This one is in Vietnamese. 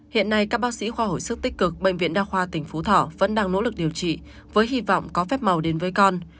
hiện nay các bác sĩ khoa hồi sức tích cực bệnh viện đa khoa tỉnh phú thỏ vẫn đang nỗ lực điều trị với hy vọng có phép màu đến với con